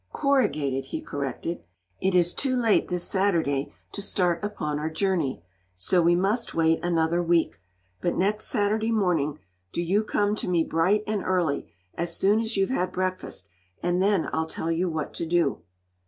"Corrugated," he corrected. "It is too late, this Saturday, to start upon our journey, so we must wait another week. But next Saturday morning do you come to me bright and early, as soon as you've had breakfast, and then I'll tell you what to do."